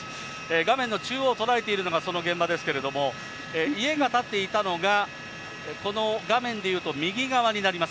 画面の中央、捉えているのがその現場ですけれども、家が建っていたのが、この画面でいうと右側になります。